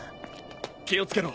気を付けろ。